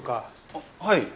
あっはい。